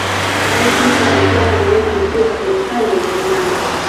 adolf hitler alikuwa kiongozi mkuu wa serikali ya ujerumani